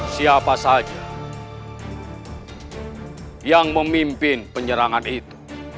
siapa saja yang memimpin penyerangan itu